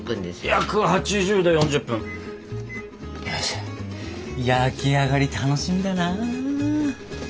焼き上がり楽しみだな。